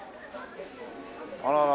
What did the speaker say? あらら。